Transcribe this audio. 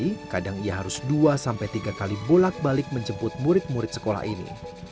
tapi kadang ia harus dua tiga kali bolak balik menjemput murid murid sekolah ini